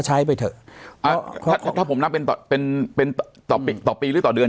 ใช้ไปเถอะถ้าผมนับเป็นเป็นเป็นต่อปีหรือต่อเดือน